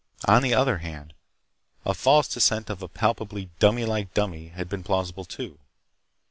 On the other hand, a false descent of a palpably dummylike dummy had been plausible, too.